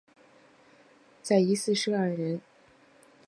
圣诞节送礼物已经接近成为一个全球通行的习惯了。